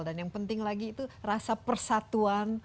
dan yang penting lagi itu rasa persatuan